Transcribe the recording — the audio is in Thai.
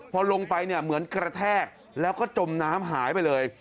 พอลงไปเนี่ยเหมือนกระแทกแล้วก็จมน้ำหายไปเลย